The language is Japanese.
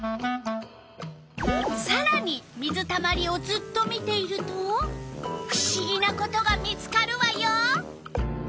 さらに水たまりをずっと見ているとふしぎなことが見つかるわよ！